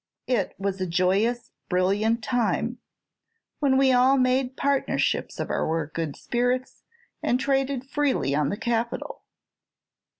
It was a joyous, brilliant time, when we all made partnership of our good spirits, and traded freely on the capital.